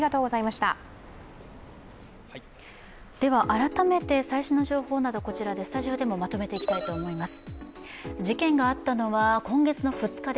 改めて最新の情報などこちらで、スタジオでもまとめていきます。